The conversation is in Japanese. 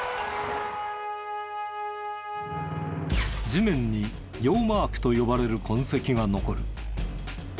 地面にヨーマークと呼ばれる痕跡が残る。